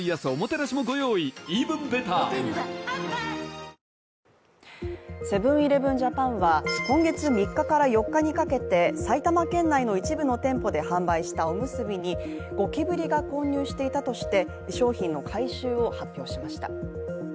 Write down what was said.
クラフトビール「スプリングバレー」セブン−イレブン・ジャパンは今月３日から４日にかけて埼玉県内の一部の店舗で販売したおむすびにゴキブリが混入していたとして商品の回収を発表しました。